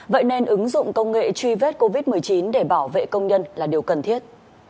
vậy nên ứng dụng công nghệ truy vết covid một mươi chín để bảo vệ công nhân là điều cần thiết